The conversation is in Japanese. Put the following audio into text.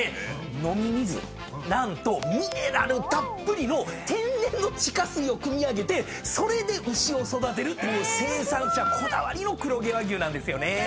飲み水何とミネラルたっぷりの天然の地下水をくみ上げてそれで牛を育てるっていう生産者こだわりの黒毛和牛なんですよね。